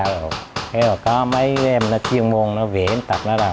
cái đó có mấy em nó chuyên môn nó vẽ tập nó ra